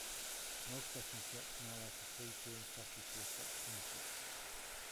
Most betting shops now offer free tea and coffee to attract punters.